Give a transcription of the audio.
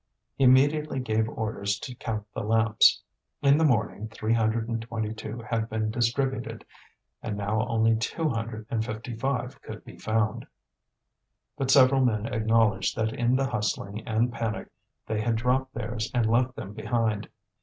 He immediately gave orders to count the lamps. In the morning three hundred and twenty two had been distributed, and now only two hundred and fifty five could be found; but several men acknowledged that in the hustling and panic they had dropped theirs and left them behind.